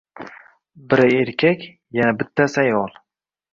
Biri erkak, yana bittasi ayol.